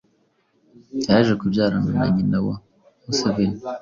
yaje kubyarana na nyina wa Museveni.